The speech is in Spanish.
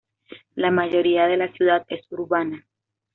La mayoría de la ciudad es urbana.